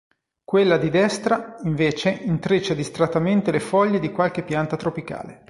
Quella di destra, invece, intreccia distrattamente le foglie di qualche pianta tropicale.